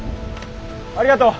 ありがとう。